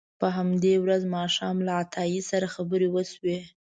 په همدې ورځ ماښام له عطایي سره خبرې وشوې.